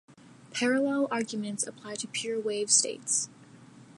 Parallel arguments apply to pure wave states.